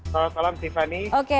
selamat malam tiffany